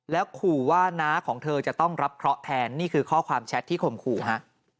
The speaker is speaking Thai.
แล้วขู่ว่าน้าของเธอจะต้องรับเคราะห์แทนนี่คือข้อความแชทที่ข่มขู่ฮะ